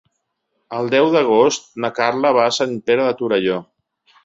El deu d'agost na Carla va a Sant Pere de Torelló.